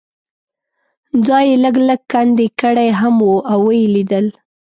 ځای یې لږ لږ کندې کړی هم و او یې لیدل.